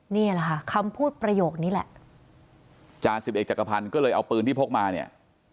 นี่แหละค่ะคำพูดประโยคนี้แหละจาสิบเอกจักรพันธ์ก็เลยเอาปืนที่พกมาเนี่ย